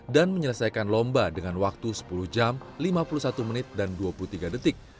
dan menyelesaikan lomba dengan waktu sepuluh jam lima puluh satu menit dan dua puluh tiga detik